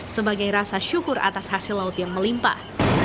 sebagai rasa syukur atas hasil laut yang melimpah